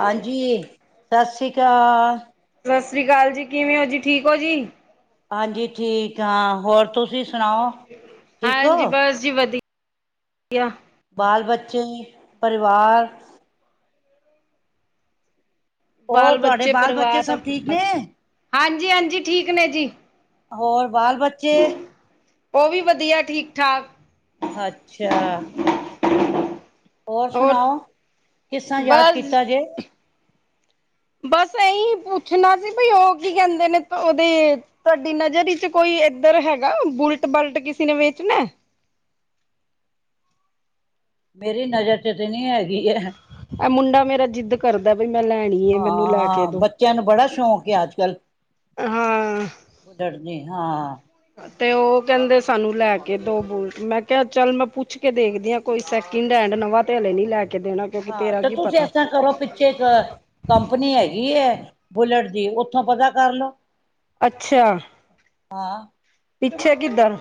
ਹਾਂਜੀ, ਸਾੱਸੀ ਕਾਲ। ਸਾਸਰੀ ਕਾਲ ਜੀ। ਕਿਵੇਂ ਓਂ ਜੀ, ਠੀਕ ਓ ਜੀ? ਹਾਂਜੀ, ਠੀਕ ਆਂ। ਹੋਰ ਤੁਸੀ ਸੁਨਾਓ? ਹਾਂਜੀ, ਬਾੱਸ ਜੀ ਵਧੀ, ਵਧੀਆ। ਬਾਲ-ਬੱਚੇ, ਪਰਿਵਾਰ ਹੋਰ ਤੁਹਾਡੇ ਬਾਲ-ਬੱਚੇ ਬਾਲ ਪਰਵਾਰ ਬੱਚੇ ਸਬ ਸਭ ਠੀਕ ਠੀਕ-ਠਾਕ, ਨੇ ਹਾਂਜੀ-ਹਾਂਜੀ ਠੀਕ ਨੇ ਜੀ। ਹੋਰ, ਬਾਲ-ਬੱਚੇ ਓ ਵੀ ਵਦੀਆ ਠੀਕ-ਠਾਕ। ਅੱਛਾ। ਓਰ ਹੋਰ ਸੁਨਾਓ, ਕਿਸਰਾ ਯਾਦ ਕੀਤਾ ਜੇ? ਬਾੱਸ ਐਈ ਪੁੱਛਨਾ ਸੀ ਬਈ ਓ ਕੀ ਕੈੰਦੇ ਨੇ ਤੋ ਓਦੇ ਤੋਆਡੀ ਨਜ਼ਰ ਇੱਚ ਕੋਈ ਐਧਰ ਹੈਗਾ, ਬੁਲਟ-ਬਲਟ ਕਿਸੀ ਨੇ ਵੇਚਨੈ? ਮੇਰੀ ਨਜ਼ਰ ਚ ਤੇ ਨੀ ਹੈਗੀ ਐ। ਐ ਮੁੰਡਾ ਮੇਰਾ ਜਿੱਦ ਕਰਦੈ ਵਈ ਮੈਂ ਲੈਣੀ। ਹੈ ਮੈਨੂੰ ਲੈ ਕੇ ਹਾਂ, ਦੋ ਬੱਚੇਆਂ ਨੂੰ ਬੜਾ ਸ਼ੌਕ ਏ ਅੱਜ-ਕੱਲ। ਹਾਂ ਬੁਦੜਦੇ, ਹਾਂ। ਤੇ ਓ ਕੈਂਦੇ ਸਾਨੂੰ ਲੈ ਕੇ ਦੋ ਬੂਟ, ਮੈਂ ਕੇਆ ਚੱਲ ਮੈਂ ਪੁੱਛ ਕੇ ਦੇਖਦੀ ਆਂ। ਕੋਈ ਸੈਕਿੰਡ ਹੈਂਡ, ਨਵਾਂ ਤੇ ਹਲੇ ਨੀ ਲੈ ਕੇ ਦੇਣਾ ਕਿਉਂਕਿ ਹਾਂ, ਤੇਰਾ ਤੇ ਕੀ ਤੁਸੀ ਪਤਾ ਐਸਤਰਾਂ ਕਰੋ ਪਿ ਪਿੱਚੇ ਏਕ ਕੰਪਨੀ ਹੈਗੀ ਏ ਬੁਲਟ ਦੀ, ਓਥੋਂ ਪਤਾ ਕਾਰਲੋ। ਅੱਛਾ। ਹਾਂ। ਪਿੱਛੇ ਕਿੱਧਰ?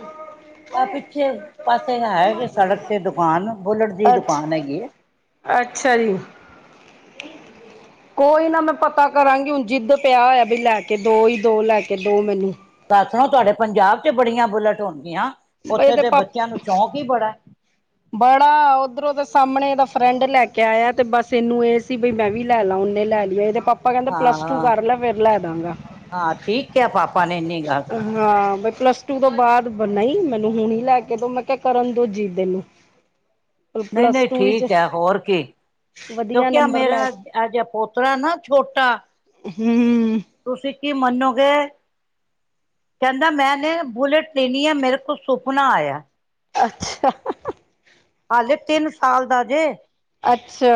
ਆ ਪਿੱਛੇ ਪਾਸੇ ਹੈ ਏਕ ਸੜਕ ਤੇ ਦੁਕਾਨ, ਬੁਲਟ ਦੀ ਈ ਅੱਛ ਦੁਕਾਨ ਹੈਗੀ ਏ। ਅੱਛਾ ਜੀ। ਕੋਈ ਨਾ ਮੈਂ ਪਤਾ ਕਰਾਂਗੀ, ਹੁਨ ਜਿੱਦ ਪੇਆ ਹੋਏਐ ਵੀ ਲੈਕੇ ਦੋ ਹੀ ਦੋ, ਲੈਕੇ ਦੋ ਮੈਨੂੰ। ਦਾੱਸ ਨਾ ਤੋਹਾਡੇ ਪੰਜਾਬ ਚ ਬੜੀਆਂ ਬੁਲਟ ਹੋਨਗੀਆਂ, ਓੱਥੇ ਇਹਦੇ ਦੇ ਪਾਪ ਬੱਚੇਆਂ ਨੂੰ ਸ਼ੌਂਕ ਈਂ ਬੜੈ। ਬੜਾ ਓਧਰੋਂ ਦਾ ਸਾਮਨੇ ਏਦਾ ਫਰੈਂਡ ਲੈ ਕੇ ਆਯੈ ਤੇ ਬਾੱਸ ਐਨੂੰ ਏ ਸੀ ਬਈ ਮੈਂ ਵੀ ਲੈ ਲਾ, ਓਨੇ ਲੈ ਲੀ ਐ, ਐਦੇ ਪਾ ਪਾਪਾ ਕੈਂਦੇ ਪਲੱਸ ਟੂ ਹਾਂ ਕਾਰ ਲੈ ਫੇਰ ਲੈ ਦਾਂਗਾ। ਹਾਂ ਠੀਕ ਕਿਹਾ ਪਾਪਾ ਨੇ ਇੰਨੀ ਗੱਲ ਹਾਂ, ਬਈ ਪਲੱਸ ਟੂ ਤੋ ਬਾਦ ਬ ਨਈ, ਮੈਨੂੰ ਹੁਨ ਈ ਲੈ ਕੇ ਦੋ ਮੈਂ ਕੇਆ ਕਰਨ ਦੋ ਜਿੱਦ ਐਨੂੰ। ਨਈ-ਨਈ ਠੀਕ ਐ, ਹੋਰ ਕੀ ਵਧੀਆ ਕਯੋਕਿ ਐ ਨੰਬਰ ਮੇਰੇ ਲੈ ਨਾਲ ਐ ਜੇਆ ਪੋਤਰੈ ਨਾ ਛੋਟਾ ਹੂੰ। ਤੁਸੀ ਕੀ ਮੰਨੋਗੇ ਕੈਂਦਾ ਮੈਂਨੇ ਬੁਲਟ ਲੇਨੀ ਐ, ਮੇਰੇ ਕੋ ਸੁਪਨਾ ਆਏਐ। ਅੱਛਾ। ਹਾਲੇ ਤਿੰਨ ਸਾਲ ਦਾ ਜੇ। ਅੱਛਾ।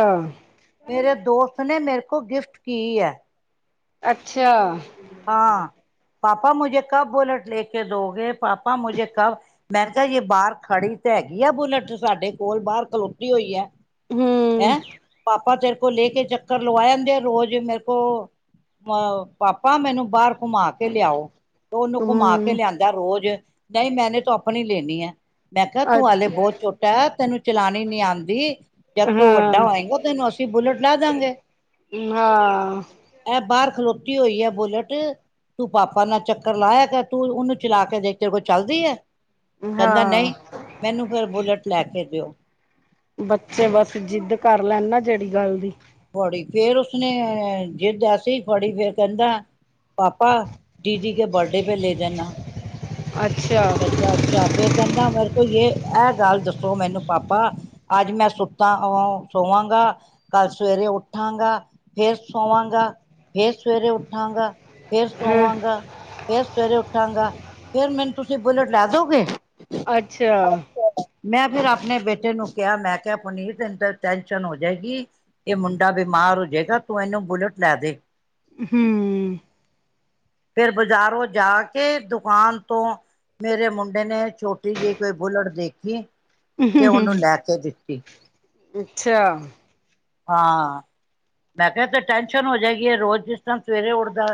ਮੇਰੇ ਦੋਸਤ ਨੇ ਮੇਰੇ ਕੋ ਗਿਫਟ ਕੀ ਹੈ। ਅੱਛਾ। ਹਾਂ ਪਾਪਾ ਮੁਝੇ ਕਬ ਬੁਲੇਟ ਲੈ ਕੇ ਦੋਗੇ, ਪਾਪਾ ਮੁਝੇ ਕਬ ਮੈਂ ਕਿਹਾ ਜੇ ਬਾਹਰ ਖੜੀ ਤਾਂ ਹੈਗੀ ਆ ਬੁਲੇਟ, ਸਾਡੇ ਕੋਲ ਬਾਹਰ ਖਲੋਤੀ ਹੋਈ ਹੈ। ਹੂੰ ਹੈਂ। ਪਾਪਾ ਤੇਰੇ ਕੋ ਲੈ ਕੇ ਚੱਕਰ ਲਵਾ ਆਦੇ ਆ ਰੋਜ਼, ਮੇਰੇ ਕੋਲ ਅ ਪਾਪਾ। ਪਾਪਾਂ ਮੈਨੂੰ ਬਾਹਰ ਘੁਮਾ ਕੇ ਲਿਆਓ, ਤੇ ਉਹਨੂੰ ਘੁਮਾ ਕੇ ਹੂੰ ਲਿਆਂਦੇ। ਰੋਜ਼, ਨਹੀਂ ਮੈਨੇ ਤੋ ਆਪਣੀ ਲੈਨੀ ਹੈ। ਮੈਂ ਕਿਹਾ ਅ ਤੂੰ ਹਲੇ ਬਹੁਤ ਛੋਟਾ ਹੈ, ਤੈਨੂੰ ਚਲਾਉਣੀ ਨੀ ਆਂਦੀ। ਜਦ ਤੂੰ ਵੱਡਾ ਹਾਂ ਹੋਏਂਗਾ ਤੈਨੂੰ ਅਸੀਂ ਬੁਲੇਟ ਲੈ ਦਾਂਗੇ। ਹਾਂ। ਇਹ ਬਾਹਰ ਖਲੋਤੀ ਹੋਈ ਹੈ। ਬੁਲਟ ਤੂੰ ਪਾਪਾ ਨਾਲ ਚੱਕਰ ਲਾਇਆ ਕਰ, ਤੂੰ ਉਹਨੂੰ ਚਲਾ ਕੇ ਦੇਖ ਤੇਰੇ ਕੇਲ ਚੱਲਦੀ ਏ। ਕਹਿੰਦਾ ਹਾਂ ਨਹੀਂ, ਮੈਨੂੰ ਫੇਰ ਬੁਲੇਟ ਲੈ ਕੇ ਦਿਓ। ਬੱਚੇ ਬਸ ਜਿੱਦ ਕਰ ਲੈਂਣ ਨਾ ਜਿਹੜੀ ਗੱਲ ਦੀ। ਬੜੀ ਫੇਰ ਉਸਨੇ ਜਿੱਦ ਐਸੀ ਫੜੀ ਫੇਰ ਕਹਿੰਦਾ ਪਾਪਾ ਦੀਦੀ ਕੇ ਬਰਡੇ ਪੇ ਲੈ ਦੇਨਾ। ਅੱਛਾ। ਕਹਿੰਦਾ, ਅੱਛਾ ਫੇਰ ਕਹਿੰਦਾ ਮੇਰੇ ਕੋ ਯੇ ਇਹ ਗੱਲ ਦੱਸੋ ਮੈਨੂੰ ਪਾਪਾ ਅੱਜ ਮੈਂ ਸੁੱਤਾ ਸੋਵਾਂਗਾ। ਕੱਲ ਸਵੇਰੇ ਉੱਠਾਂਗਾ, ਫੇਰ ਸੋਵਾਂਗਾ, ਫੇਰ ਸਵੇਰੇ ਉੱਠਾਂਗਾ। ਫੇਰ ਸੋਵਾਂਗਾ, ਫੇਰ ਸਵੇਰੇ ਉੱਠਾਂਗਾ, ਫੇਰ ਮੈਨੂੰ ਤੁਸੀਂ ਬੁਲੇਟ ਲੈ ਦੋਗੇ। ਅੱਛਾ। ਮੈਂ ਫੇਰ ਆਪਣੇ ਬੇਟੇ ਨੂੰ ਕਿਹਾ ਮੈਂ ਕਿਹਾ ਪੁਨੀਤ ਟੈਸ਼ਨ ਹੋ ਜਾਏਗੀ। ਇਹ ਮੁੰਡਾ ਬਿਮਾਰ ਹੋ ਜਾਏਗਾ ਤੂੰ ਇਹਨੂੰ ਬੁਲੇਟ ਲੈ ਦੇ। ਹੂੰ। ਫਿਰ ਬਾਜ਼ਾਰੋਂ ਜਾ ਕੇ ਦੁਕਾਨ ਤੋਂ ਮੇਰੇ ਮੁੰਡੇ ਨੇ ਛੋਟੀ ਜਿਹੀ ਕੋਈ ਬੁਲਟ ਦੇਖੀ। ਤੇ ਉਹਨੂੰ ਲੈ ਕੇ ਦਿੱਤੀ ਅੱਛਾ। ਹਾਂ ਮੈਂ ਕਿਹਾ ਤੇ ਟੈਨਸ਼ਨ ਹੋ ਜਾਏਗੀ, ਇਹ ਰੋਜ਼ ਜਿਸ ਟਾਈਮ ਸਵੇਰੇ ਉੱਠਦਾ।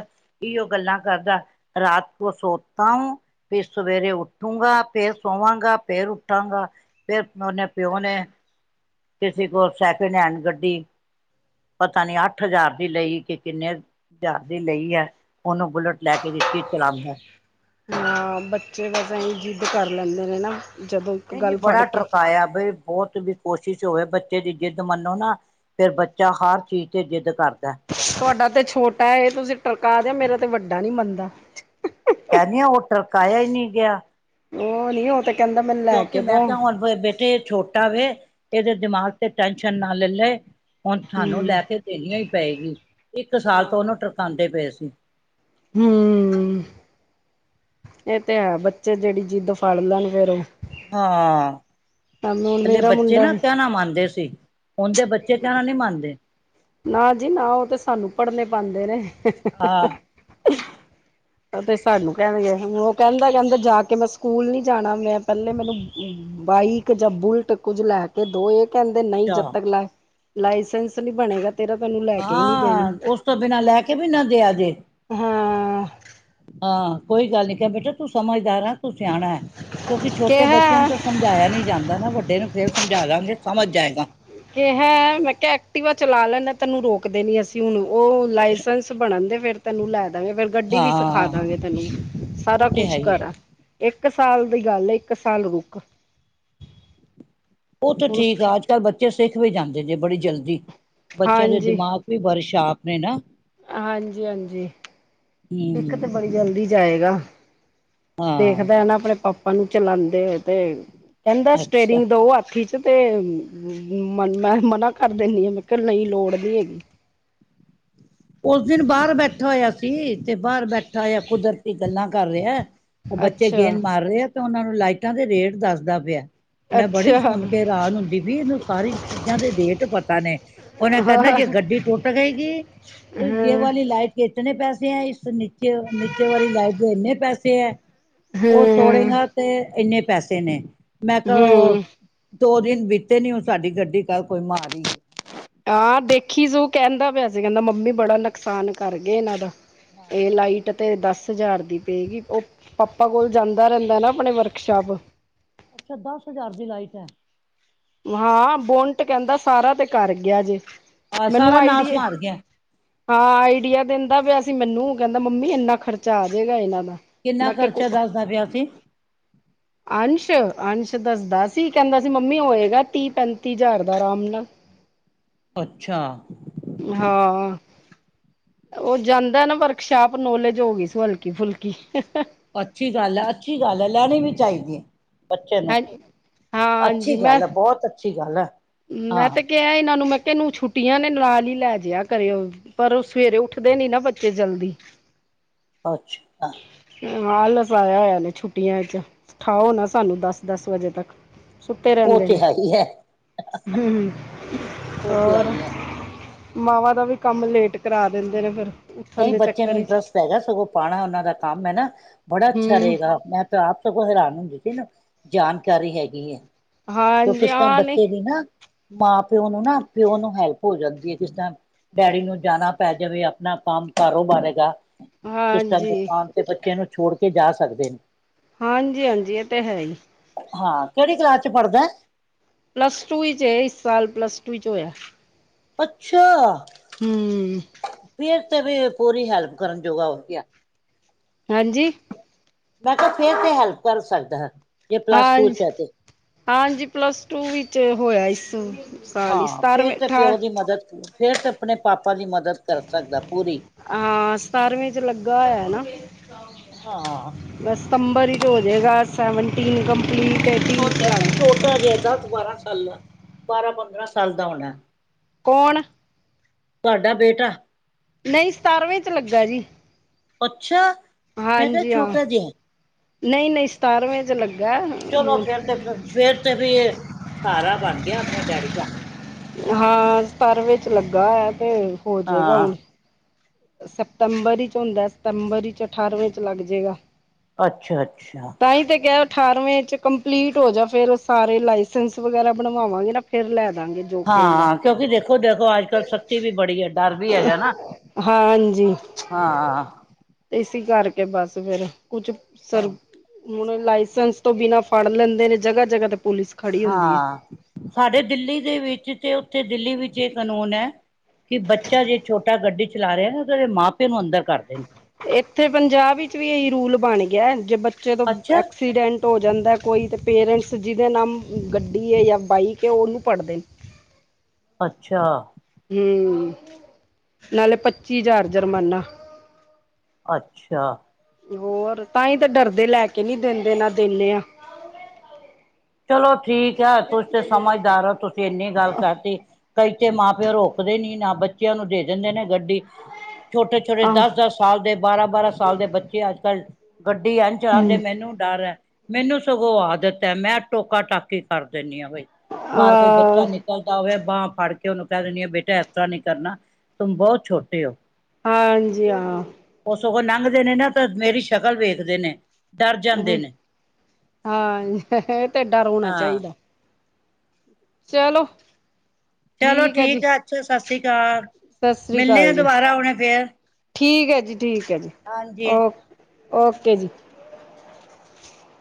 ਇਓ ਗੱਲਾਂ ਕਰਦਾ ਰਾਤ ਕੋ ਸੋਤਾਹੂੰ। ਵੀ ਸਵੇਰੇ ਉਠੂੰਗਾ, ਫੇਰ ਸੋਵਾਂਗਾ, ਫੇਰ ਉੱਠਾਂਗਾ। ਫਿਰ ਓਨੇ ਪਿਓ ਨੇ ਕਿਸੇ ਕੋਲ ਸੈਕਿੰਡ ਹੈਂਡ ਗੱਡੀ ਪਤਾ ਨੀ ਅੱਠ ਹਜ਼ਾਰ ਦੀ ਲਈ ਕਿ ਕਿੰਨੇ ਹਜ਼ਾਰ ਦੀ ਲਈ ਹੈ ਉਹਨੂੰ ਬੁਲਟ ਲੈ ਕੇ ਦੀਤੀ ਚਲਾਉਂਦਾ। ਹਾਂ ਬੱਚੇ ਵੈਸੇ ਹੀ ਜਿੱਦ ਕਰ ਲੈਂਦੇ ਨੇ ਨਾ। ਜਦੋਂ ਇੱਕ ਨਹੀਂ -ਨਹੀਂ ਗੱਲ ਫੜ ਬੜਾ ਕੇ ਟਰਕਾਇਆ ਬਈ ਬਹੁਤ ਵੀ ਕੋਸ਼ਿਸ਼ ਹੋਵੇ ਬੱਚੇ ਦੀ ਜਿੱਦ ਮੰਨੋ ਨਾ ਫੇਰ ਬੱਚਾ ਹਰ ਚੀਜ਼ ਤੇ ਜਿੱਦ ਕਰਦਾ। ਤੁਹਾਡਾ ਤੇ ਛੋਟਾ ਏ ਤੁਸੀਂ ਟਰਕਾ ਦਿਆ ਮੇਰਾ ਤੇ ਵੱਡਾ ਨੀ ਮੰਨਦਾ। ਕਹਿੰਦੀ ਆ ਉਹ ਟਰਕਾ ਇਆ ਹੀ ਨਹੀਂ ਗਿਆ। ਉਹ ਨੀ ਉਹ ਤੱਕ। ਕਿਉਂਕਿ ਮੈਂ ਕਿਹਾ ਹੁਣ ਬੇਟੇ ਛੋਟਾ ਵੇ ਇਹਦੇ ਦਿਮਾਗ ਤੇ ਟੈਸ਼ਨ ਨਾ ਲੈ ਲਏ। ਹੁਣ ਸਾਨੂੰ ਹੂੰ ਲੈ ਕੇ ਦੇਣੀ ਓਈ ਪਏਗੀ, ਇੱਕ ਸਾਲ ਤੋਂ ਹਾਂ ਓਨੂੰ ਟਰਕਾਦੇ ਪਏ ਸੀ। ਹੂੰ। ਏਹ ਤੇ ਏ ਬੱਚੇ ਜੇੜੀ ਜਿੱਦ ਫੜ ਲੈਣ ਫੇਰ ਓਹ। ਹਾਂ, ਪੈਲੇ ਮੇਰਾ ਬੱਚੇ ਮੁੰਡਾ ਨਾ ਵੀ ਕੈਨਾ ਮੰਨਦੇ ਸੀ। ਹੁਣ ਦੇ ਬੱਚੇ ਕੈਨਾ ਨੀ ਮੰਨਦੇ। ਨਾ ਜੀ ਨਾ ਓ ਤੇ ਸਾਨੂੰ ਪੜ੍ਹਨੇ ਪਾਂਦੇ ਨੇ। ਹਾਂ ਤੇ ਸਾਨੂੰ ਕੈਂਗੇ ਹੁਣ ਓ ਕੈਂਦਾ-ਕੈਂਦਾ ਜਾ ਕੇ ਮੈਂ ਸਕੂਲ ਨੀ ਜਾਣਾ ਮੈਂ ਪੈਲੇ ਮੈਨੂੰ ਬਾਈਕ ਜਾਂ ਬੁਲਟ ਕੁੱਝ ਲੈ ਕੇ ਦੋ ਏ- ਕੈਂਦੇ ਨਈ ਅੱਛਾ ਜਦ ਤੱਕ ਲਾਏ, ਲਾਇਸੈਂਸ ਨੀ ਬਣੇਗਾ ਤੇਰਾ ਤੈਨੂੰ ਲੈ ਕੇ ਹੀ ਨਹੀਂ ਦੇਣੀ ਹਾਂ ਓਸ ਤੋਂ ਬਿਨਾਂ ਲੈ ਕੇ ਵੀ ਨਾ ਦਿਆ ਜੇ ਹਾਂ ਹਾਂ ਕੋਈ ਗੱਲ ਨੀ ਕੈ ਬੇਟਾ ਤੂੰ ਸਮਝਦਾਰ ਆ ਤੂੰ ਸਿਆਣਾ ਐ ਕਿਉਂਕਿ ਛੋਟੇ ਬੱਚੇ ਨੂੰ ਕਿਹਾ ਤਾਂ ਸਮਝਾਇਆ ਨੀ ਜਾਂਦਾ ਨਾ ਵੱਡੇ ਨੂੰ ਫੇਰ ਸਮਝਾ ਲਾਗੇ ਸਮਝ ਜਾਏਗਾ। ਕੇਹਾ ਮੈਂ ਕੈਆ ਐਕਟੀਵਾ ਚਲਾ ਲੈਣਾ ਤੈਨੂੰ ਰੋਕਦੇ ਨੀ ਅਸੀਂ ਹੁਣ ਓ ਲਾਇਸੈਂਸ ਬਣਨ ਦੇ ਫਿਰ ਤੈਨੂੰ ਲੈ ਦਵਾਂਗੇ ਫੇਰ ਗੱਡੀ ਵੀ ਸਿਖਾ ਹਾਂ ਦਾਂਗੇ ਤੈਨੂੰ ਸਾਰਾ ਉਹ ਤੇ ਹੈ ਕੁਛ ਹੀ ਕਰਾ ਏਕ ਸਾਲ ਦੀ ਗੱਲ ਏ ਏਕ ਸਾਲ ਰੁੱਕ ਓਹ ਤਾਂ ਠੀਕ ਆ ਅੱਜ-ਕੱਲ੍ਹ ਬੱਚੇ ਸਿੱਖ ਵੀ ਜਾਂਦੇ ਜੇ ਬੜੀ ਜਲਦੀ, ਬੱਚਿਆਂ ਦੇ ਦਿਮਾਗ ਵੀ ਬਰੇ ਸ਼ਾਪ ਨੇ ਨਾ। ਹਾਂਜੀ-ਹਾਂਜੀ, ਸਿੱਖ ਤੇ ਹਮ ਬੜੀ ਜਲਦੀ ਜਾਏਗਾ। ਹਾਂ ਦੇਖਦਾ ਐ ਨਾ ਅਪਣੇ ਪਾਪਾ ਨੂੰ ਚਲਾਂਦੇ ਤੇ, ਕੈਂਦਾ ਅੱਛਾ ਸਟੇਰਿੰਗ ਦੋ ਹੱਥ ਚ ਤੇ, ਮਨ ਮੈਂ ਮਨਾ ਕਰ ਦੇਨੀ ਆ ਮੈਂ ਕੇਂਆ ਨੀ ਲੋੜ ਨੀ ਹੈਗੀ। ਓਸ ਦਿਨ ਬਾਰ ਬੈਠਾ ਹੋਯਾ ਸੀ ਤੇ ਬਾਰ ਬੈਠਾ ਹੋਯਾ ਕੁਦਰਤੀ ਗੱਲਾਂ ਕਰ ਰੈਆ। ਓ ਬੱਚੇ ਅੱਛਾ ਗੇਂਦ ਮਾਰ ਰਹੇ ਆ ਤੇ ਓਨਾਂ ਨੂੰ ਲਾਈਟਾਂ ਦੇ ਰੇਟ ਦੱਸਦਾ ਪਿਆ। ਮੈਂ ਬੜੀ ਅੱਛਾ ਹਾਂ ਸੁਣ ਕੇ ਹੈਰਾਨ ਹੁੰਦੀ ਪੀ ਇਨੂੰ ਸਾਰੀ ਚੀਜ਼ਾਂ ਦੇ ਰੇਟ ਪਤਾ ਨੇ। ਓਨਾਂ ਕਰਨਾ ਕੀ ਹਾਂ ਏ ਜੇ ਗੱਡੀ ਟੁੱਟ ਗਏ ਗੀ, ਪੁਂਜੇ ਹਮ ਵਾਲੀ ਲਾਈਟ ਕਿਤਨੇ ਪੈਸੇ ਐ ਇਸ ਨੀਚੇ-ਨੀਚੇ ਵਾਲੀ ਲਾਈਟ ਦੇ ਏਨੇ ਪੈਸੇ ਐ, ਓ ਹਮ ਤੋੜੇਗਾਂ ਤੇ ਏਨੇ ਪੈਸੇ ਨੇ, ਮੈਂ ਕ ਓ ਦੋ ਦਿਨ ਬੀਤੇ ਨੀ ਓ ਸਾਡੀ ਗੱਡੀ ਕੱਲ ਕੋਈ ਮਾਰੀ ਹਾਂ ਦੇਖੀ ਸੁ ਕੈਂਦਾ ਪਿਆ ਸੀ ਕੈਂਦਾ ਮੰਮੀ ਬੜਾ ਨੁਕਸਾਨ ਕਰ ਗਏ ਏਨਾਂ ਦਾ ਏ ਹਾਂ ਲਾਈਟ ਤੇ ਦਸ ਹਜ਼ਾਰ ਦੀ ਪਏਗੀ ਓ ਪਾਪਾ ਕੋਲ ਜਾਂਦਾ ਰੈਂਦਾ ਨਾ ਅਪਣੇ ਵਰਕਸ਼ਾਪ ਅੱਛਾ ਦਸ ਹਜ਼ਾਰ ਦੀ ਲਾਈਟ ਐ। ਹਾਂ ਬੋਂਟ ਕੈਂਦਾ ਸਾਰਾ ਤੇ ਕਰ ਗਿਆ ਜੇ ਆਹ ਮੈਨੂੰ ਸਾਰਾ ਆਈਡੀ ਨਾਸ ਏ। ਮਾਰ ਗਿਆ ਹਾਂ ਆਈਡੀਆ ਦਿੰਦਾ ਪਿਆ ਸੀ ਮੈਨੂੰ ਕੈਂਦਾ ਮੰਮੀ ਏਨਾਂ ਖਰਚਾ ਆ ਜਾਏਗਾ ਏਹਨਾਂ ਦਾ ਕਿੰਨਾ ਮੈਂ ਖਰਚਾ ਕਿਹਾ ਦੱਸਦਾ ਪਿਆ ਸੀ? ਅੰਸ਼, ਅੰਸ਼ ਦੱਸਦਾ ਸੀ ਕੈਂਦਾ ਸੀ ਮੰਮੀ ਓਏ ਗਾ ਤੀ-ਪੈਂਤੀ ਹਜ਼ਾਰ ਦਾ ਆਰਾਮ ਨਾਲ ਅੱਛਾ। ਹਾਂ ਆਂ। ਓਹ ਜਾਂਦਾ ਨਾ ਵਰਕਸ਼ਾਪ ਨੋਲੇਜ ਹੋ ਗਈ ਸੀ ਹਲਕੀ-ਫੁਲਕੀ ਅੱਛੀ ਗੱਲ ਐ-ਅੱਛੀ ਗੱਲ ਐ ਲੈਣੀ ਵੀ ਚਾਈਦੀ ਏ। ਬੱਚੇ ਨੂੰ, ਹਾਂ ਅੱਛੀ ਹਾਂਜੀ ਮੈਂ ਗੱਲ ਐ ਬੋਤ ਅੱਛੀ ਗੱਲ ਐ। ਮੈਂ ਤੇ ਕੇਆ ਏਨਾਂ ਨੂੰ ਮੈਂ ਕੇਆ ਏਨੂੰ ਛੁੱਟੀਆਂ ਨੇ ਨਾਲ ਈ ਲੈ ਜੇਆ ਕਰੇ ਓ। ਪਰ ਓ ਸਵੇਰੇ ਉਠਦੇ ਨੀ ਨਾ ਬੱਚੇ ਜਲਦੀ ਅੱਛਾ। ਨਾਂ ਲਖਵਾਇਆ ਹੋਇਆ ਨੇ ਛੁੱਟੀਆਂ 'ਚ, ਠਾਓ ਨਾ ਸਾਨੂੰ ਦਸ-ਦਸ ਵਜੇ ਤੱਕ। ਸੁੱਤੇ ਓਹ ਰਹਿੰਦੇ 'ਤੇ ਨੇ ਹੈ ਈ ਐ। ਹੂੰ, ਉਹ ਤੇ ਹੈ ਹੋਰ। ਹੀ ਹੈ। ਮਾਵਾਂ ਦਾ ਵੀ ਕੰਮ ਲੇਟ ਕਰਾ ਦਿੰਦੇ ਨੇ ਫਿਰ ਉੱਠਣ ਨਈਂ, ਦੇ ਬੱਚੇ ਚੱਕਰ ਨੂੰ ਵਿੱਚ ਇੰਟਰਸਟ ਹੈਗਾ ਸਗੋਂ ਪਾਨਾ ਉਨਾਂ ਦਾ ਕੰਮ ਐ ਨਾ, ਬੜਾ ਅੱਛਾ ਹੂੰ ਰੇਗਾ, ਮੈਂ ਤਾਂ ਆਪ ਸਗੋਂ ਹੈਰਾਨ ਹੁੰਦੇ ਸੀ ਨਾ, ਜਾਨਕਾਰੀ ਹੈਗੀ ਐ। ਕਿ ਹਾਂਜੀ ਕਿਸ ਤਰ੍ਹਾਂ ਹਾਂ ਨਹੀਂ ਬੱਚੇ ਦੀ ਨਾ, ਮਾਂ ਪਿਓ ਨੂੰ ਨਾ, ਪਿਓ ਨੂੰ ਹੈਲਪ ਹੋ ਜਾਂਦੀ ਏ, ਕਿਸ ਤਰ੍ਹਾਂ ਡੈਡੀ ਨੂੰ ਜਾਨਾ ਪੈ ਜਾਵੇ, ਆਪਨਾ ਕੰਮ- ਕਾਰੋਬਾਰ ਹੈਗਾ। ਕਿਸ ਤਰ੍ਹਾ ਹਾਂਜੀ ਓ ਆ ਤੇ ਬੱਚਿਆਂ ਨੂੰ ਛੋੜ ਕੇ ਜਾ ਸਕਦੇ ਨੇ? ਹਾਂਜੀ-ਹਾਂਜੀ, ਐਹ ਤਾਂ ਹੈ ਈ। ਹਾ, ਕੇੜੀ ਕਲਾਸ 'ਚ ਪੜ੍ਹਦੈ? ਪਲੱਸ-ਟੂ 'ਚ ਏ, ਇਸ ਸਾਲ ਪਲੱਸ-ਟੂ 'ਚ ਹੋਇਐ। ਅੱਛਾ। ਹੂੰ। ਫੇਰ ਤੇ ਵੀ ਪੂਰੀ ਹੈਲਪ ਕਰਨ ਜੋਗਾ ਹੋ ਗਿਆ। ਹਾਂਜੀ। ਮੈਂ ਕੇਆ ਫੇਰ 'ਤੇ ਹੈਲਪ ਕਰ ਸਕਦੈ। ਹਾਂਜ-ਹਾਂਜੀ, ਪਲੱਸ-ਟੂ ਵਿੱਚ ਹੋਇਆ ਇਸ ਸਾਲ ਹੀ ਹਾਂ, ਫੇਰ ਸਤਾਰਵੇਂ 'ਤੇ ਅਠਾਰ ਪਿਓ ਦੀ ਮਦਦ ਪੂਰੀ, ਫੇਰ 'ਤੇ ਆਪਨੇ ਪਾਪਾ ਦੀ ਮਦਦ। ਕਰ ਸਕਦਾ ਪੂਰੀ ਆਹ, ਸਤਾਰਵੇ ਚ ਲੱਗਾ ਹੋਇਐ ਨਾ। ਹਾਂ ਬਸ ਸਤੰਬਰ 'ਚ ਹੋ ਜੇਗਾ ਸੈਵਨਟੀਨ ਕੰਪਲੀਟ, ਏਟੀਨ 'ਚ ਲੱਗ ਉਹ ਹਜੇ ਦਸ ਬਾਰਾਂ ਸਾਲਾ, ਬਾਰਾਂ-ਪੰਦਰਾਂ ਸਾਲ ਦਾ ਹੋਨੈ। ਕੌਣ? ਤੁਹਾਡਾ ਬੇਟਾ। ਨਈ ਸਤਾਰਵੇਂ 'ਚ ਲੱਗਾ ਜੀ। ਅੱਛਾ। ਮੈਂ ਕਿਹਾ ਹਾਂਜੀ ਹਾਂ, ਛੋਟਾ ਜਿਹਾ ਨਈਂ-ਨਈ, ਸਤਾਰਵੇਂ 'ਚ ਲੱਗੈ। ਅੱਛਾ ਚਲੋ ਫੇਰ ਤੇ ਫੇਰ ਤੇ ਰਹੀਏ, ਸਹਾਰਾ ਬਨ ਗਿਆ ਆਪਨੇ ਡੈਡੀ ਦਾ। ਹਾਂ, ਸਤਾਰਵੇਂ 'ਚ ਲੱਗਾ ਐ ਤੇ, ਹੋਜੇਗਾ ਹਾਂ ਹੁਨ। ਸਤੰਬਰ 'ਚ ਹੁੰਦੈ, ਸਤੰਬਰ 'ਚ ਅਠਾਰਵੇਂ 'ਚ ਲੱਗ ਜੇਗਾ। ਅੱਛਾ-ਅੱਛਾ। ਤਾਂ ਈ ਤੇ ਕੇਆ, ਅਠਾਰਵੇਂ 'ਚ ਕੰਪਲੀਟ ਹੋ ਜਾ ਫੇਰ ਉਹ ਸਾਰੇ ਲਾਇਸੈਂਸ ਵਗੈਰਾ ਬਨਵਾਵਾਂਗੇ ਨਾ, ਫੇਰ ਲੈ ਦਾਂਗੇ। ਜੋ ਕਹੇਗਾ ਹਾਂ, ਕਿਉਂਕਿ ਦੇਖੋ-ਦੇਖੋ, ਅੱਜ-ਕੱਲ੍ਹ ਸਖ਼ਤੀ ਵੀ ਬੜੀ ਏ। ਡਰ ਵੀ ਹੈਗਾ ਨਾ, ਹਾਂਜੀ ਹਾਂ। ਇਸੀ ਕਰਕੇ ਬਸ ਫੇਰ ਕੁਛ ਸਰ ਹੁਨ ਲਾਇਸੈਂਸ ਤੋਂ ਬਿਨਾ ਫੜ ਲੈਂਦੇ ਨੇ ਜਗ੍ਹਾ-ਜਗ੍ਹਾ ਤੇ ਪੁਲਿਸ ਖੜੀ ਹੁੰਦੀ ਹੈ। ਹਾਂ, ਸਾਡੇ ਦਿੱਲੀ ਦੇ ਵਿੱਚ ਤੇ ਉੱਥੇ ਦਿੱਲੀ ਵਿੱਚ ਏ ਕਨੂੰਨ ਐ ਕੇ, ਬੱਚਾ ਜੇ ਛੋਟਾ ਗੱਡੀ ਚਲਾ ਰੇਆ ਨਾ, ਓਦੇ ਮਾਂ-ਪਿਓ ਨੂੰ ਅੰਦਰ ਕਰਦੇ ਨੇ। ਏੱਥੇ ਪੰਜਾਬ ਵਿੱਚ ਵੀ ਏਹੀ ਰੂਲ ਬਨ ਗਿਐ ਜੇ ਬੱਚੇ ਤੋਂ ਅੱਛਾ ਐਕਸੀਡੈਂਟ ਹੋ ਜਾਂਦੈ, ਕੋਈ 'ਤੇ ਪੇਰੈਂਟਸ ਜਿਦੇ ਨਾਮ ਗੱਡੀ ਐ ਯਾ ਬਾਈਕ ਐ, ਓਨੂੰ ਪੜ੍ਹਦੇ ਨ। ਅੱਛਾ। ਹੂੰ, ਨਾਲੇ ਪੱਚੀ ਹਜ਼ਾਰ ਜਰਮਾਨਾ। ਅੱਛਾ। ਹੋਰ, ਤਾਂਈ ਤੇ ਡਰਦੇ ਲੈ ਕੇ ਨੀ ਦਿੰਦੇ ਨਾ ਦਿੰਨੇ ਆ। ਚਲੋ ਠੀਕ ਐ, ਤੁਸੀਂ ਤੇ ਸਮਝਦਾਰ ਓ ਤੁਸੀਂ। ਇੰਨੀ ਗੱਲ ਕਰਤੀ, ਕਈ ਤੇ ਮਾਂ ਪਿਓ ਰੋਕਦੇ ਨੀ ਨਾ ਬੱਚਿਆਂ ਨੂੰ ਦੇ ਦਿੰਦੇ ਨੇ ਗੱਡੀ। ਛੋਟੇ-ਛੋਟੇ ਆਹ ਦਸ-ਦਸ ਸਾਲ ਦੇ ਬਾਰਾਂ-ਬਾਰਾਂ ਸਾਲ ਦੇ ਬੱਚੇ ਅੱਜ-ਕੱਲ੍ਹ ਗੱਡੀ ਐ ਜਾਣਦੇ ਹੂੰ ਮੈਨੂੰ ਡਰ ਐ ਮੈਨੂੰ ਸਗੋਂ ਆਦਤ ਐ ਮੈਂ ਟੋਕਾ-ਟਾਕੀ ਕਰ ਦੇਨੀ ਆ। ਬਾਹਰ ਕੋਈ ਬੱਚਾ ਅ ਨਿਕਲਦਾ ਹੋਵੇ ਬਾਂਹ ਫੜ ਕੇ ਕਿ ਉਹਨੂੰ ਕਹਿ ਦਿਣੀ ਆ ਬੇਟਾ ਐਸ ਤਰ੍ਹਾਂ ਨੀ ਕਰਨਾ ਤੁਮ ਬਹੁਤ ਛੋਟੇ ਓ। ਹਾਂਜੀ ਹਾਂ। ਉਹ ਸਗੋਂ ਲੰਘਦੇ ਨੇ ਨਾ ਤਾਂ ਮੇਰੀ ਸ਼ਕਲ ਵੇਖਦੇ ਨੇ ਡਰ ਜਾਂਦੇ ਨੇ। ਹਾਂ, ਏ ਤੇ ਡਰ ਹੋਣਾ ਹਾਂ ਚਾਹੀਦਾ। ਚਲੋ। ਚਲੋ ਹੈ ਜੀ ਠੀਕ ਐ ਅੱਛਾ ਸਤਿ ਸ਼੍ਰੀ ਅਕਾਲ। ਸਤਿ ਸ੍ਰੀ ਮਿਲਣੇ ਅਕਾਲ ਆ ਜੀ ਦੁਬਾਰਾ ਹੁਣੇ ਫੇਰ। ਠੀਕ ਐ ਜੀ -ਠੀਕ ਐ ਜੀ, ਹਾਂਜੀ ਓ ਓਕੇ ਜੀ।